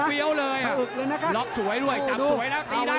แหลมเวี้ยวเลยล็อคสวยด้วยจับสวยแล้วตีได้หรือเปล่า